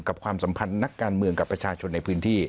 ความสัมพันธ์นักการเมืองกับประชาชนในพื้นที่